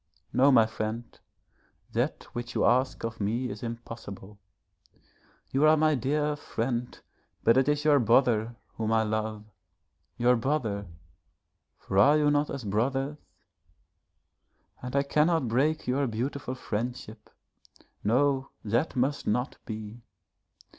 No, my friend, that which you ask of me is impossible. You are my dear friend, but it is your brother whom I love your brother, for are you not as brothers, and I cannot break your beautiful friendship. No, that must not be.